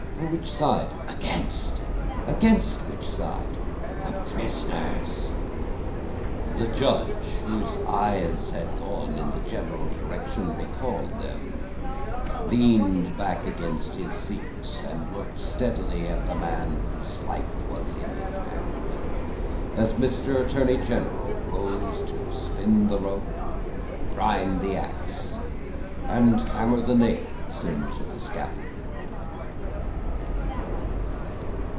"For which side?" "Against." "Against what side?" "The prisoner's." The Judge, whose eyes had gone in the general direction, recalled them, leaned back in his seat, and looked steadily at the man whose life was in his hand, as Mr. Attorney General rose to spin the rope, grind the axe, and hammer the nails into the scaffold.